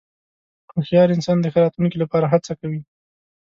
هوښیار انسان د ښه راتلونکې لپاره هڅه کوي.